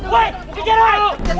woy kejadian lo woy